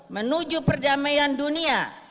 menuju perdamaian dunia